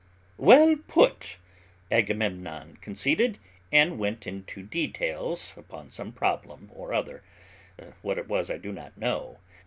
"Well put," Agamemnon conceded and went into details upon some problem or other, what it was I do not know.